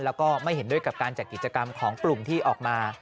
แล้วก็ไม่เห็นด้วยกับการจัดกิจกรรมของกลุ่มที่ออกมา